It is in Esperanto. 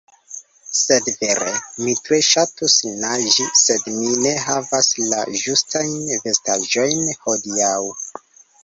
Sed vere, mi tre ŝatus naĝi sed mi ne havas la ĝustajn vestaĵojn hodiaŭ